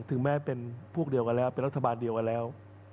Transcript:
ถึงแม้เป็นพวกเดียวกันแล้วเป็นรัฐบาลเดียวกันแล้ว